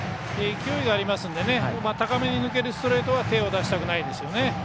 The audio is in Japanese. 勢いがありますので高めに抜けるストレートは手を出したくないですね。